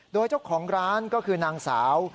โดยเจ้าของร้านก็คือนางสาว